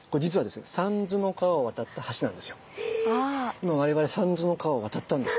今我々三途の川を渡ったんですね。